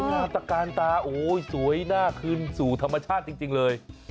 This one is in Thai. สวยงามตะกานตาโอ๊ยสวยหน้าขึ้นสู่ธรรมชาติจริงเลย